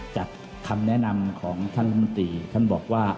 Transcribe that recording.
จากคำแนะนำของท่านรัฐมนตรีท่านบอกว่า